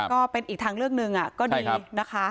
ก็เป็นอีกทางเลือกหนึ่งก็ดีนะคะ